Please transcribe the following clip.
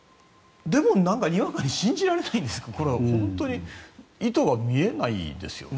でもなんかにわかに信じられないんですが本当に意図が見えないです。